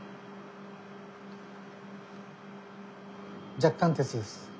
若干鉄です。